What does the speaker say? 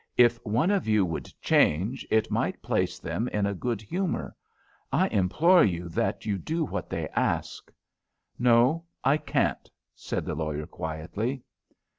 "If one of you would change, it might place them in a good humour. I implore you that you do what they ask." "No, I can't," said the lawyer, quietly.